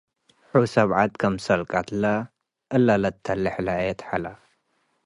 -ህ ሑ ሰብዐት ክምሰል ቀትለ፡ እለ ለተሌ ሕላየት ሐለ።